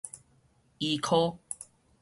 醫科